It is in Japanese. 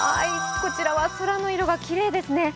こちらは空の色がきれいですね。